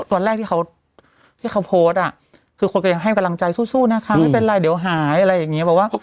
ตอนแรกที่เขาโพสต์คือคนก็ยังให้กำลังใจสู้นะคะไม่เป็นไรเดี๋ยวหายอะไรอย่างนี้บอกว่า